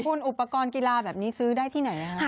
หุ้นอุปกรณ์กีฬาแบบนี้ซื้อได้ที่ไหนล่ะครับ